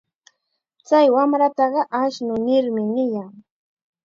Chay wamrataqa ashnu nirmi niyan.